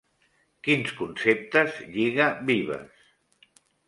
Quins conceptes lliga Vives?